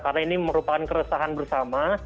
karena ini merupakan keresahan bersama